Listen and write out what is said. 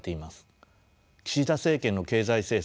岸田政権の経済政策